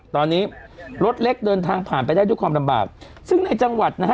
ตอนนี้รถเล็กเดินทางผ่านไปได้ด้วยความลำบากซึ่งในจังหวัดนะฮะ